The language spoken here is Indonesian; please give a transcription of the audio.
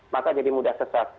maka jadi mudah sesat